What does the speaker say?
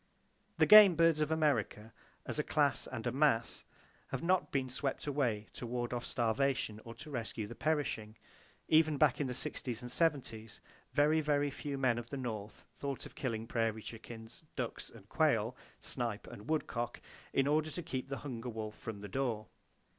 The game birds of America, as a class and a mass, have not been swept away to ward off starvation or to rescue the perishing. Even back in the sixties and seventies, very, very few men of the North thought of killing prairie chickens, ducks and quail, snipe and woodcock, in order to keep the hunger wolf from the door.